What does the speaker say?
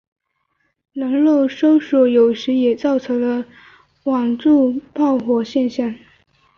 人肉搜索有时也造就了网路爆红现象。